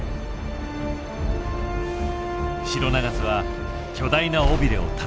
シロナガスは巨大な尾びれをたたきつける。